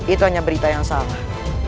itu hanya berita yang salah